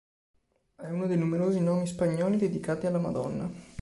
È uno dei numerosi nomi spagnoli dedicati alla Madonna.